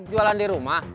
jualan di rumah